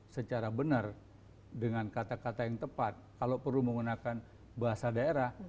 secara benar dengan kata kata yang tepat kalau perlu menggunakan bahasa daerah